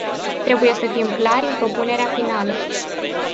Trebuie să fim clari în propunerea finală.